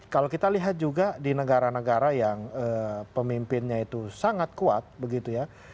kalau kita lihat juga di negara negara yang pemimpinnya itu sangat kuat begitu ya